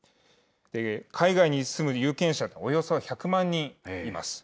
海外に住む有権者は、およそ１００万人います。